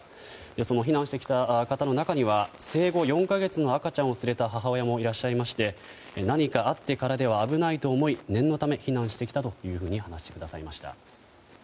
その避難してきた方の中には生後４か月の赤ちゃんを連れた母親もいらっしゃいまして何かあってからでは危ないと思い念のため避難してきたと話してくださいました。